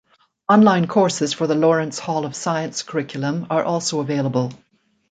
Online courses for the Lawrence Hall of Science curriculum are also available.